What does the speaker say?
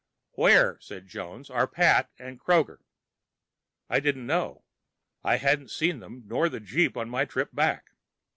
"Where," said Jones, "are Pat and Kroger?" I didn't know. I hadn't seen them, nor the jeep, on my trip back.